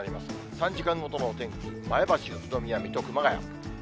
３時間ごとのお天気、前橋、宇都宮、水戸、熊谷。